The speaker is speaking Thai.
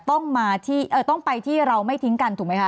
ต้องมาที่เออต้องไปที่เราไม่ทิ้งกันถูกไหมคะ